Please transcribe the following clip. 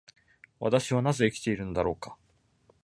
私はなぜ生きているのだろうか。